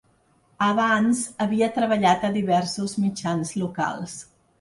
Abans havia treballat a diversos mitjans locals.